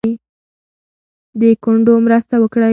د کونډو مرسته وکړئ.